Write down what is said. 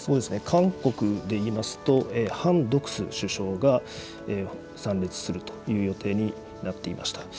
韓国でいいますと、ハン・ドクス首相が参列するという予定になっていました。